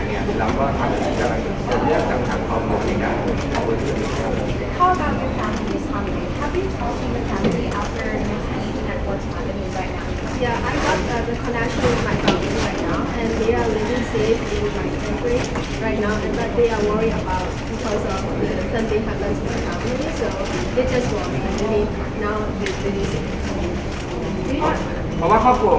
แต่พวกเขาเกี่ยวกับความควบคุม